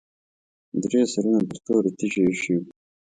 درې سرونه پر تورې تیږې ایښي وو.